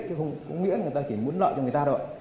chứ không nghĩa người ta chỉ muốn lợi cho người ta rồi